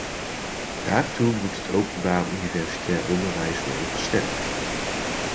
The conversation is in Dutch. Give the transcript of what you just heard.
Daartoe moet het openbaar universitair onderwijs worden versterkt.